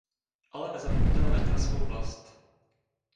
Ale nezapomněl ani na svou vlast.